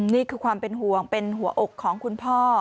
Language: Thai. นี่คือความเป็นห่วงเป็นหัวอกของคุณพ่อ